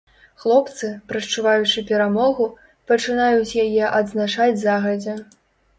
Хлопцы, прадчуваючы перамогу, пачынаюць яе адзначаць загадзя.